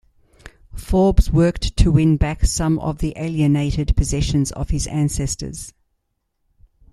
Forbes worked to win back some of the alienated possessions of his ancestors.